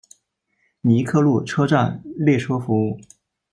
尼克路车站列车服务。